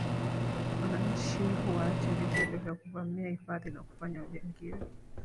Wananchi waache vitendo vya kuvamia hifadhi na kufanya ujangili